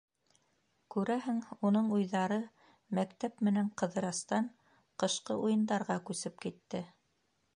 Күрәһең, уның уйҙары мәктәп менән Ҡыҙырастан ҡышҡы уйындарға күсеп китте.